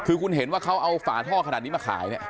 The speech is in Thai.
คือคุณเห็นว่าเขาเอาฝาท่อขนาดนี้มาขายเนี่ย